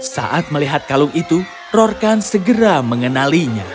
saat melihat kalung itu rorkan segera mengenalinya